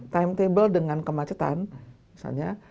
timetable dengan kemacetan misalnya